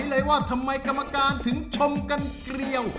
เลยว่าทำไมกรรมการถึงชมกันเกลียว